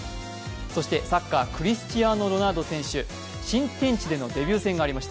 そしてサッカー、クリスチアーノ・ロナウド選手、新天地でのデビュー戦がありました。